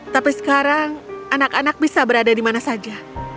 tapi sekarang anak anak bisa berada di mana saja